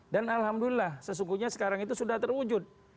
dan alhamdulillah sesungguhnya sekarang itu sudah terwujud